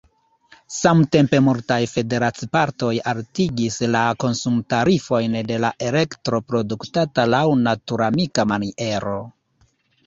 Samtempe multaj federacipartoj altigis la konsumtarifojn de la elektro produktata laŭ naturamika maniero.